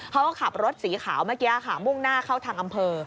เขาก็ขับรถสีขาวเมื่อกี้ค่ะมุ่งหน้าเข้าทางอำเภอ